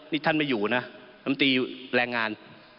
นี่ท่านไม่อยู่นะลำตีแรงงาน